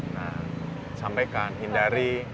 nah sampaikan hindari